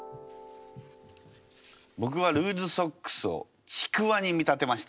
僕はルーズソックスをちくわに見立てました。